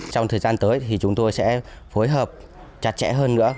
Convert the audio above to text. trong thời gian tới thì chúng tôi sẽ phối hợp chặt chẽ hơn nữa